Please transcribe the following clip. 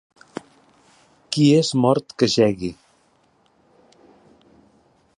Qui és mort que jegui.